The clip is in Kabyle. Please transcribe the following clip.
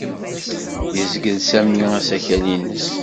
Yezgel Sami asakal-nnes.